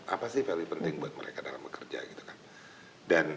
apa sih value penting buat mereka dalam bekerja gitu kan